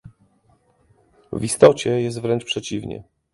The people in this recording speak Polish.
W istocie jest wręcz przeciwnie